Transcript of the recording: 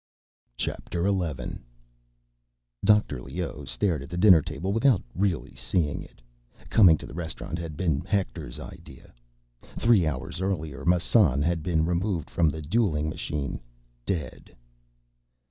A dream. A—" XI Dr. Leoh stared at the dinner table without really seeing it. Coming to this restaurant had been Hector's idea. Three hours earlier, Massan had been removed from the dueling machine—dead.